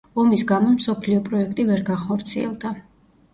ომის გამო მსოფლიო პროექტი ვერ გახორციელდა.